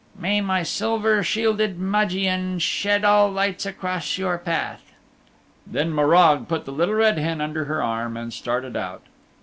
May my Silver Shielded Magian Shed all lights Across your path. Then Morag put the Little Red Hen under her arm and started out.